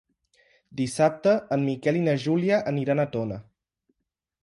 Dissabte en Miquel i na Júlia aniran a Tona.